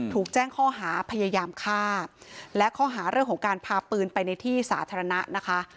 ถูกแจ้งข้อหาพยายามฆ่าและข้อหาเรื่องของการพาปืนไปในที่สาธารณะนะคะ